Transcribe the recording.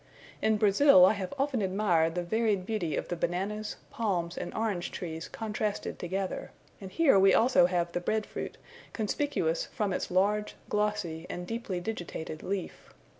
In Brazil I have often admired the varied beauty of the bananas, palms, and orange trees contrasted together; and here we also have the bread fruit, conspicuous from its large, glossy, and deeply digitated leaf.